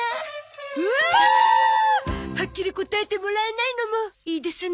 うおっ！はっきり答えてもらえないのもいいですな。